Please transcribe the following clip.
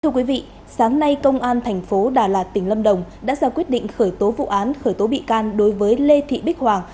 thưa quý vị sáng nay công an thành phố đà lạt tỉnh lâm đồng đã ra quyết định khởi tố vụ án khởi tố bị can đối với lê thị bích hoàng